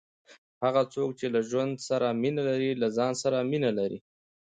هغه څوک، چي له ژوند سره مینه لري، له ځان سره مینه لري.